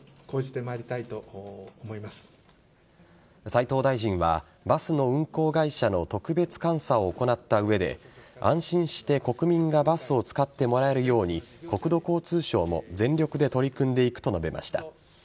斉藤大臣はバスの運行会社の特別監査を行った上で安心して国民がバスを使ってもらえるように国土交通省も全力で取り組んでいくと述べました。